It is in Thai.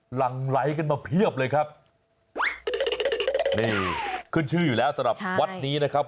หลังไลค์กันมาเพียบเลยครับนี่ขึ้นชื่ออยู่แล้วสำหรับวัดนี้นะครับ